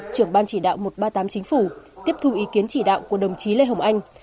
trưởng ban chỉ đạo một trăm ba mươi tám chính phủ tiếp thu ý kiến chỉ đạo của đồng chí lê hồng anh